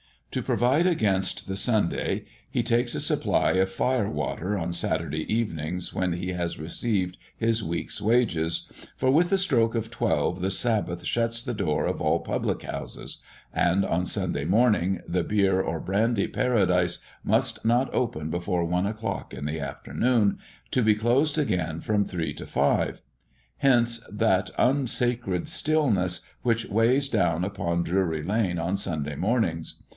To provide against the Sunday, he takes a supply of fire water on Saturday evening when he has received his week's wages, for with the stroke of twelve the sabbath shuts the door of all public houses, and on Sunday morning the beer or brandy paradise must not open before one o'clock in the afternoon, to be closed again from three to five. Hence that unsacred stillness which weighs down upon Drury lane on Sunday mornings.